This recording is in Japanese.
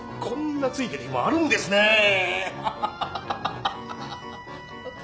こんなついてる日もあるんですねハハハハ。